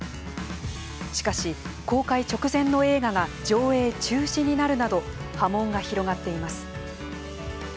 しかし、公開直前の映画が上映中止になるなど波紋が広がっています。